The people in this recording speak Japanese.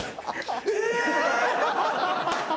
え！